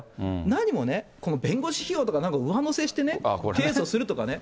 何も、この弁護士費用とかなんか上乗せしてね、提訴するとかね。